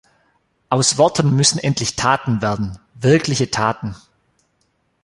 Aus Worten müssen endlich Taten werden, wirkliche Taten.